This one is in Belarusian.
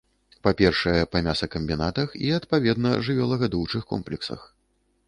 Па-першае, па мясакамбінатах і, адпаведна, жывёлагадоўчых комплексах.